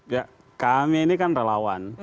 ya kami ini kan relawan